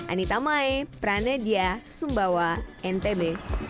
anitamae pranedia sumbawa ntb